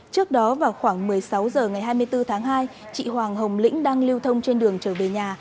trước đó vào khoảng một mươi sáu h ngày hai mươi bốn tháng hai chị hoàng hồng lĩnh đang lưu thông trên đường trở về nhà